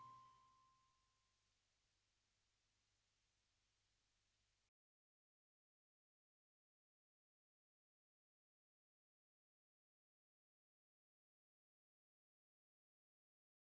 chasing nantah besok dan selama